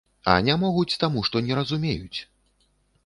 А не могуць таму, што не разумеюць.